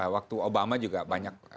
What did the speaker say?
waktu obama juga banyak